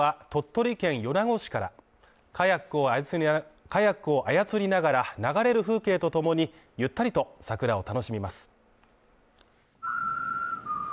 今日は鳥取県米子市からカヤックを操りながら流れる風景と共にゆったりと桜を楽しみます。